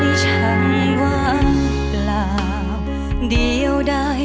อีหลี